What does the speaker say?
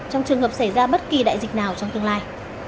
trong trường hợp xảy ra bất kỳ đại dịch nào trong tương lai